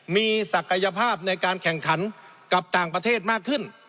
มีศักยภาพในการแข่งขันกับต่างประเทศมากขึ้น